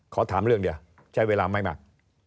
ขอถามเรื่องเดียวใช้เวลาไม่มาก